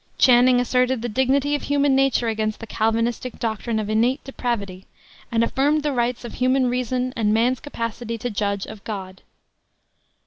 Channing asserted the dignity of human nature against the Calvinistic doctrine of innate depravity, and affirmed the rights of human reason and man's capacity to judge of God.